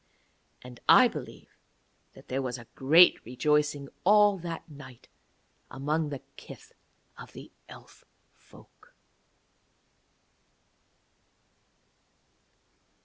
And I believe that there was a great rejoicing all that night among the kith of the Elf folk.